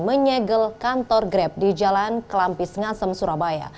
menyegel kantor grab di jalan kelampis ngasem surabaya